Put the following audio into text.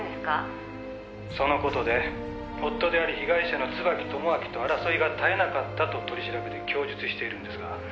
「その事で夫であり被害者の椿友章と争いが絶えなかったと取り調べで供述しているんですが」